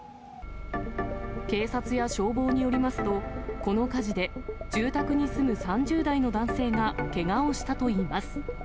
警察や消防によりますと、この火事で住宅に住む３０代の男性がけがをしたといいます。